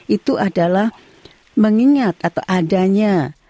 itu adalah mengingat atau adanya